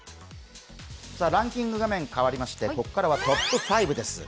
ランキング場面変わりまして、ここからはトップ５です。